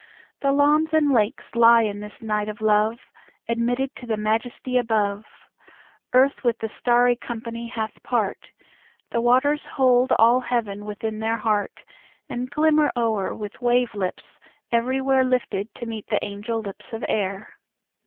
The lawns and lakes lie in this night of love, Admitted to the majesty above. Earth with the starry company hath part; The waters hold all heaven within their heart, And glimmer o'er with wave lips everywhereLifted to meet the angel lips of air.